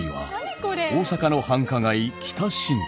大阪の繁華街北新地。